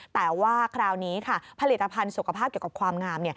แต่ว่าคราวนี้ค่ะผลิตภัณฑ์สุขภาพเกี่ยวกับความงาม